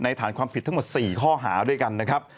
ฐานความผิดทั้งหมด๔ข้อหาด้วยกันนะครับ